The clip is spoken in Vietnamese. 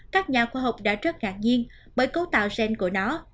các nhà khoa học đã rất ngạc nhiên bởi cấu tạo gen của nó